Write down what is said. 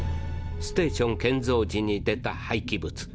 ステーション建造時に出たはいき物。